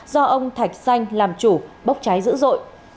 do ông thạch xanh làm chủ bốc cháy dữ dội